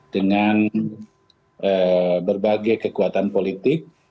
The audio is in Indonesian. dengan berbagai kekuatan politik